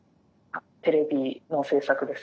テレビの制作です。